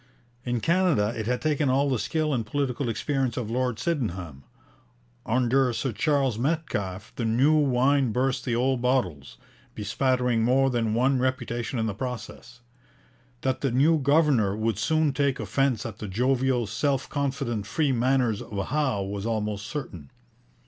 In Canada it had taken all the skill and political experience of Lord Sydenham; under Sir Charles Metcalfe the new wine burst the old bottles, bespattering more than one reputation in the process. That the new governor would soon take offence at the jovial, self confident, free manners of Howe was almost certain.